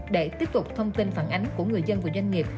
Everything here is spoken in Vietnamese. để tiếp tục thông tin phản ánh của người dân và doanh nghiệp